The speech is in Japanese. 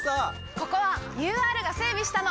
ここはＵＲが整備したの！